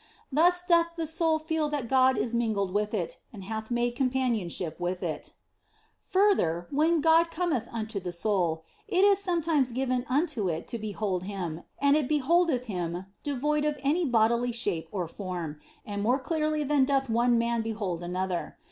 Thus doth the soul feel that God is mingled with it and hath made companionship with it. Further, when God cometh unto the soul, it is some times given unto it to behold Him, and it beholdeth Him devoid of any bodily shape or form, and more clearly than doth one man behold another.